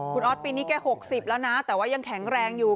คุณออสปีนี้แก๖๐แล้วนะแต่ว่ายังแข็งแรงอยู่